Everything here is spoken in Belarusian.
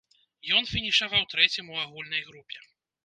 Ён фінішаваў трэцім у агульнай групе.